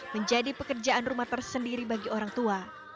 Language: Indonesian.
menjadi pekerjaan rumah tersendiri bagi orang tua